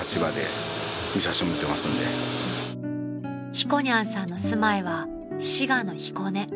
［ひこにゃんさんの住まいは滋賀の彦根］